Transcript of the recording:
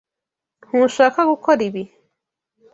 Ntushaka gukora ibi.